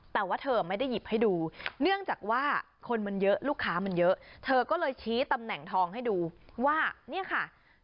แต่ว่าเธอไม่ได้หยิบให้ดูเนื่องจากว่าคนมันเยอะลูกค้ามันเยอะเธอก็เลยชี้ตำแหน่งทองให้ดูว่าเนี่ยค่ะ